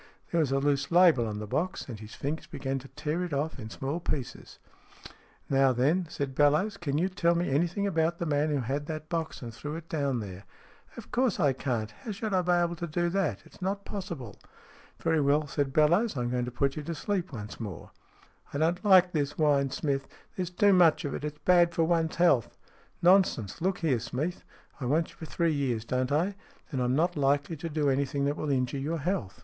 There was a loose label on the box, and his fingers began to tear it off in small pieces. SMEATH ii " Now then," said Bellowes, <k can you tell me anything about the man who had that box, and threw it down there ?"" Of course I can't. How should I be able to do that? It's not possible." "Very well," said Bellowes. "I'm going to put you to sleep once more." " I don't like this," whined Smeath. " There's too much of it. It's bad for one's health." " Nonsense ! Look here, Smeath. I want you for three years, don't I ? Then I'm not likely to do anything that will injure your health.